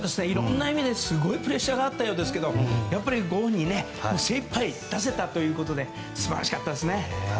いろんな意味ですごいプレッシャーがあったようですがご本人精いっぱい出せたということで素晴らしかったですね。